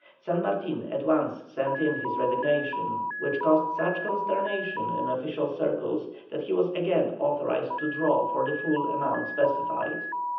San Martin at once sent in his resignation, which caused such consternation in official circles that he was again authorized to draw for the full amount specified.